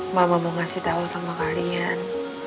mama mau kasih tau sama kalian